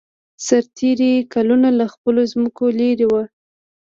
سرتېري کلونه له خپلو ځمکو لېرې وو.